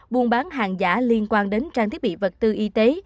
buôn bán hàng giả liên quan đến trang thiết bị vật tư y tế